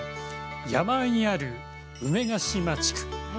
山あいにある梅ケ島地区。